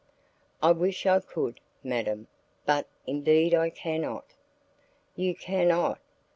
"I wish I could, madam, but indeed I cannot." "You cannot?